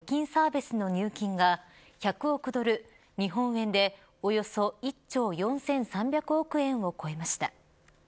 アップルが４月に始めた預金サービスの入金が１００億ドル日本円でおよそ１兆４３００億円を超えました。